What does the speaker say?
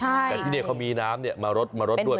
ใช่แต่ที่นี่เขามีน้ำมารดด้วย